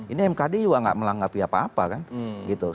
ini mkd juga tidak melanggapi apa apa kan gitu